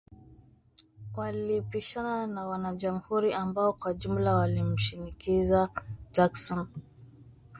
Walipishana na wana Jamhuri ambao kwa ujumla walimshinikiza Jackson